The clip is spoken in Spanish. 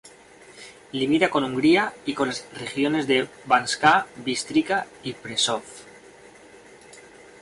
Limita con Hungría, y con las regiones de Banská Bystrica y Prešov.